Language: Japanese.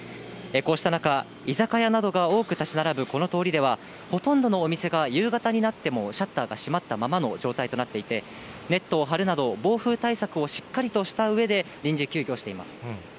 こうした中、居酒屋などが多く建ち並ぶこの通りでは、ほとんどのお店が夕方になってもシャッターが閉まったままの状態となっていて、ネットを張るなど、暴風対策をしっかりとしたうえで、臨時休業しています。